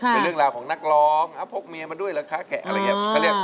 เป็นเรื่องราวของนักร้องพกเมียมาด้วยเหรอคะแกะอะไรอย่างนี้